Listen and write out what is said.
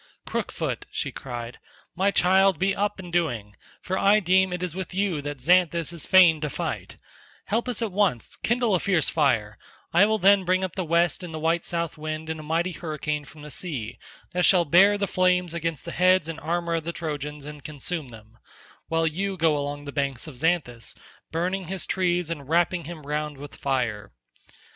"Crook foot," she cried, "my child, be up and doing, for I deem it is with you that Xanthus is fain to fight; help us at once, kindle a fierce fire; I will then bring up the west and the white south wind in a mighty hurricane from the sea, that shall bear the flames against the heads and armour of the Trojans and consume them, while you go along the banks of Xanthus burning his trees and wrapping him round with fire.